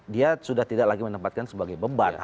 dia sudah tidak lagi menempatkan sebagai beban